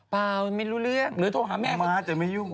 ไม่รู้เรื่องหรือโทรหาแม่ม้าจะไม่ยุ่ง